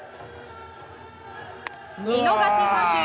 見逃し三振！